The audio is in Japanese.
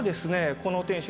この天守